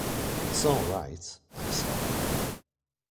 "It's all right," I said.